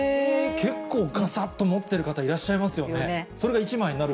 結構がさっと持っている方、いらっしゃいますよね。